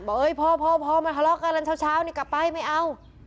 บอกเอ้ยพ่อมาทะเลาะกันละเช้านี่กลับไปไม่เอา